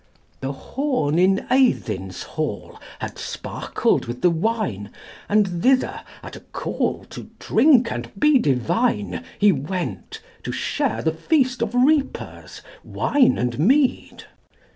The horn in Eiddin's hall Had sparkled with the wine, And thither, at a call To drink and be divine, He went, to share the feast Of reapers, wine and mead.